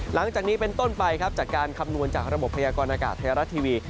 หลังจากนี้เป็นต้นไปครับจากการคำนวณจากระบบพยากรณากาศไทยรัฐทีวี